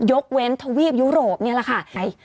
ยกเว้นทวีปยุโรปนี่แหละค่ะ